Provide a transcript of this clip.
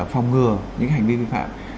phòng ngừa những hành vi vi phạm